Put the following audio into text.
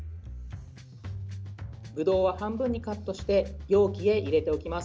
ぶどうは半分にカットして容器へ入れておきます。